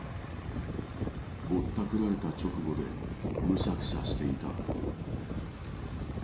ぼったくられた直後で、むしゃくしゃしていた。